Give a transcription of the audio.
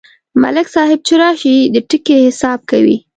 ملک صاحب چې راشي، د ټکي حساب کوي.